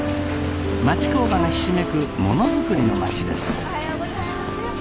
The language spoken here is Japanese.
町工場がひしめくものづくりの町です。